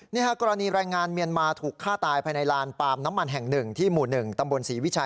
ในกรณีรายงานเมียนมาถูกฆ่าตายไปในหลานปาล์มน้ำมันแห่ง๑ที่หมู่๑ตำวนสีวิชัย